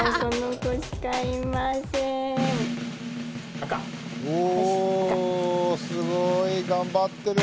赤はもうおすごい頑張ってる。